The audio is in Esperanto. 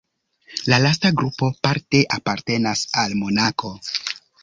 La lasta grupo parte apartenas al Monako.